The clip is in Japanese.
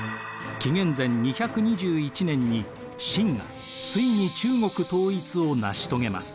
紀元前２２１年に秦がついに中国統一を成し遂げます。